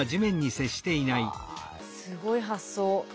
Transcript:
はあすごい発想。